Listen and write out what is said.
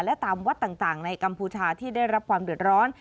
และตามวัดต่างในกัมพูชาที่ได้รับความเดือดร้อน